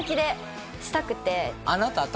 あなた。